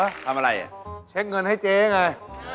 ทำอะไรอ่ะเช็คเงินให้เจ๊ไง